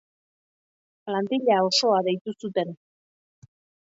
Plantilla osoa deitu zuten.